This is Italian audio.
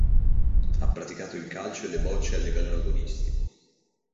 Ha praticato il calcio e le bocce a livello agonistico.